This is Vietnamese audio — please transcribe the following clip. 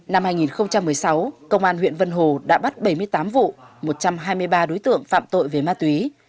năm hai nghìn một mươi sáu công an huyện vân hồ đã bắt bảy mươi tám vụ một trăm hai mươi ba đối tượng phạm tội về ma túy